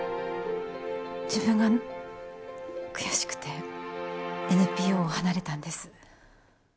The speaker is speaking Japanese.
自分が悔しくてＮＰＯを離れたんです。